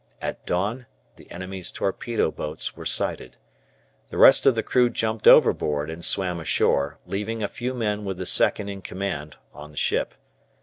At dawn the enemy's torpedo boats were sighted. The rest of the crew jumped overboard and swam ashore, leaving a few men with the second in command on the ship.